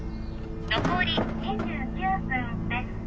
残り２９分です